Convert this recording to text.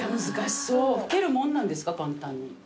吹けるもんなんですか簡単に。